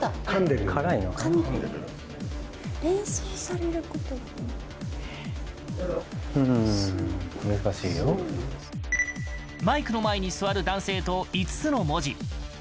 連想される言葉マイクの前に座る男性と５つの文字。